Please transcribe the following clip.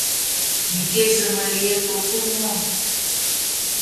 Микеже мариет огыл мо?